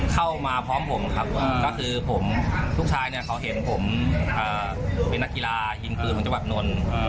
เข้ามาพร้อมผมครับก็คือผมลูกชายเนี่ยเขาเห็นผมเป็นนักกีฬายิงปืนของจังหวัดนนท์